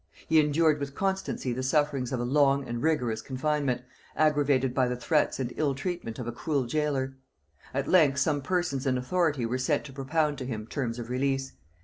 He endured with constancy the sufferings of a long and rigorous confinement, aggravated by the threats and ill treatment of a cruel jailor. At length some persons in authority were sent to propound to him terms of release.